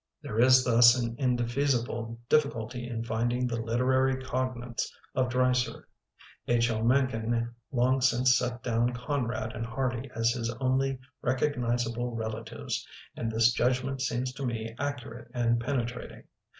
There is thus an indefeasible diffi culty in finding the literary cognates of Dreiser. H. L. Mencken long since set down Ck)nrad and Hardy as his only recognizable relatives and this judgment seems to me accurate and penetrating.